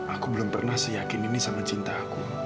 aku belum pernah seyakin ini sama cinta aku